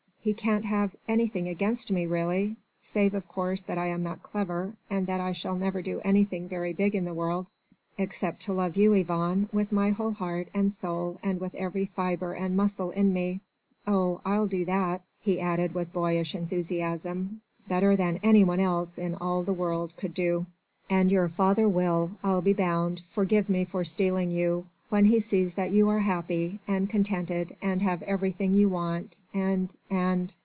He can't have anything against me really ... save of course that I am not clever and that I shall never do anything very big in the world ... except to love you, Yvonne, with my whole heart and soul and with every fibre and muscle in me.... Oh! I'll do that," he added with boyish enthusiasm, "better than anyone else in all the world could do! And your father will, I'll be bound, forgive me for stealing you, when he sees that you are happy, and contented, and have everything you want and ... and...."